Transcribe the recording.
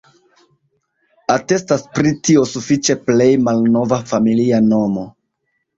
Atestas pri tio sufiĉe plej malnova familia nomo.